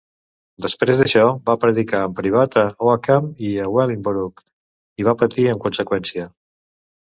Després d'això, va predicar en privat a Oakham i Wellingborough i va patir en conseqüència.